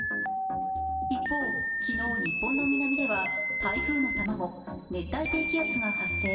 一方、昨日、日本の南では台風の卵熱帯低気圧が発生。